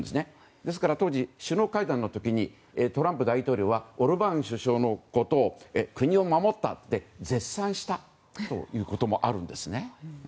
ですから当時、首脳会談の時にトランプ大統領はオルバーン首相のことを国を守ったと絶賛したということもあるんです。